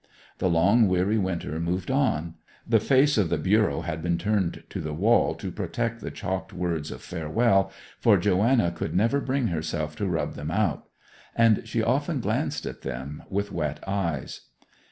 The long dreary winter moved on; the face of the bureau had been turned to the wall to protect the chalked words of farewell, for Joanna could never bring herself to rub them out; and she often glanced at them with wet eyes.